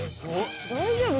大丈夫？